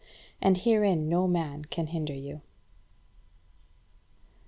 And herein no man can hinder you.